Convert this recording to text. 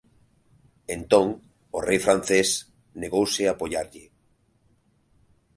Entón o rei francés negouse a apoiarlle.